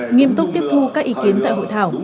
nghiêm túc tiếp thu các ý kiến tại hội thảo